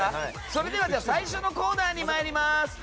それでは最初のコーナーに参ります。